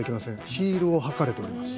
ヒールを履かれております。